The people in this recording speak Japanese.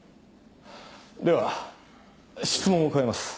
では質問を変えます。